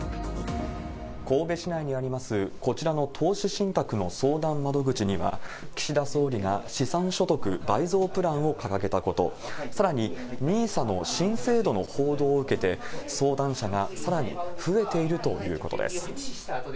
神戸市内にあります、こちらの投資信託の相談窓口には、岸田総理が資産所得倍増プランを掲げたこと、さらに、ＮＩＳＡの新制度の報道を受けて、相談者がさらに増えているということです。